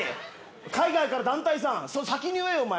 海外から団体さんそれ先に言えよお前！